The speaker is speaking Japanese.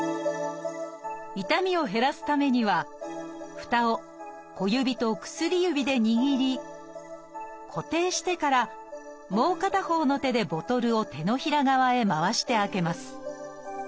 痛みを減らすためにはふたを小指と薬指で握り固定してからもう片方の手でボトルを手のひら側へ回して開けます。